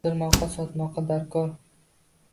Oʻldirmoqqa, sotmoqqa darkor.